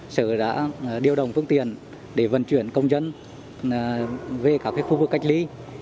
sở đã điều động phương tiện để vận chuyển công dân về các khu vực cách ly